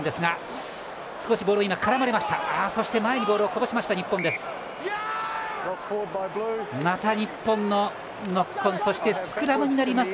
前にボールをこぼした日本です。